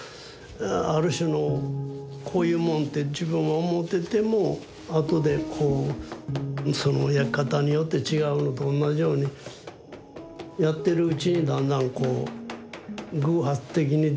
ある種のこういうもんって自分は思っててもあとでこうその焼き方によって違うのとおんなじようにやってるうちにだんだんこう偶発的に出てくる。